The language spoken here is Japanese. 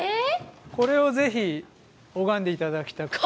これをぜひ拝んで頂きたくて。